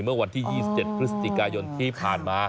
เมื่อวันที่๒๗พฤศจิกายนที่ผ่านมา